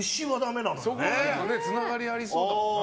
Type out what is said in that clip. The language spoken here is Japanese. つながりありそうだけどね。